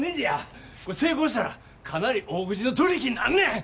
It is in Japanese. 成功したらかなり大口の取り引きになんねん。